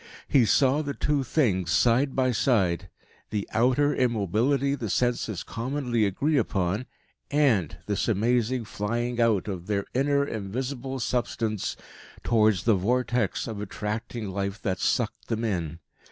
He saw the two things side by side: the outer immobility the senses commonly agree upon, and this amazing flying out of their inner, invisible substance towards the vortex of attracting life that sucked them in.